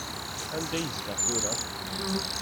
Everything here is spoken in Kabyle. Anda i yezdeɣ tura?